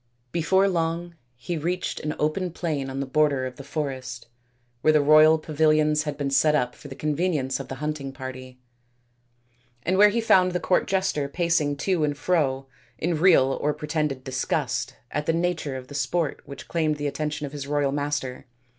Before long he reached an open plain on the border of the forest, where the royal payilions had been set up for the convenience of the hunting party, and where he found the court jester pacing to and fro in real or pretended disgust at the nature of the sport which claimed the attention of his royal master.